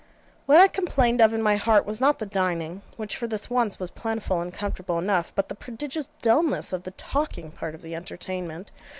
What I complained of in my heart was not the dining which, for this once, was plentiful and comfortable enough but the prodigious dulness of the talking part of the entertainment.